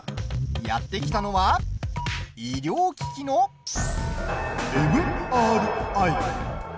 やって来たのは医療機器のＭＲＩ。